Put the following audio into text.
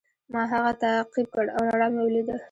ما هغه تعقیب کړ او رڼا مې ولیده.